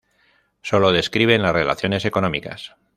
Sólo describen las relaciones económicas.